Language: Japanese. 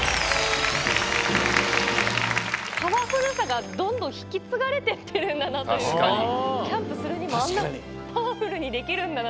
パワフルさがどんどん引き継がれてるんだなというかキャンプするにもあんなパワフルにできるんだなって。